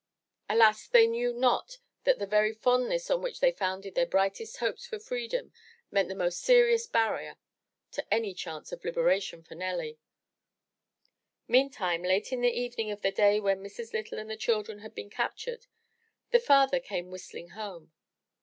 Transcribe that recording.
Alas! they knew 370 THE TREASURE CHEST not that the very fondness on which they founded their brightest hopes for freedom meant the most serious barrier to any chance of Uberation for Nelly. Meantime, late in the evening of the day when Mrs. Lytle and the children had been captured, the father came whistling home.